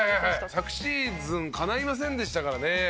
昨シーズンかないませんでしたからね。